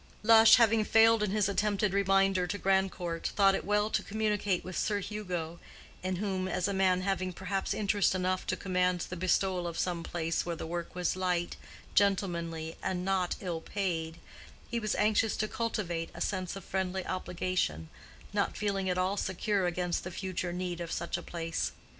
Lush, having failed in his attempted reminder to Grandcourt, thought it well to communicate with Sir Hugo, in whom, as a man having perhaps interest enough to command the bestowal of some place where the work was light, gentlemanly, and not ill paid, he was anxious to cultivate a sense of friendly obligation, not feeling at all secure against the future need of such a place.